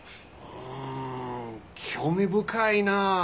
うん興味深いな。